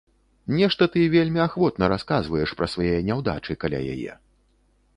Нешта ты вельмі ахвотна расказваеш пра свае няўдачы каля яе.